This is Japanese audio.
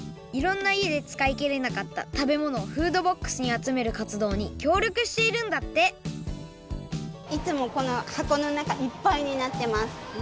いろんないえでつかいきれなかった食べ物をフードボックスにあつめるかつどうにきょうりょくしているんだっていつもこのはこのなかいっぱいになってます。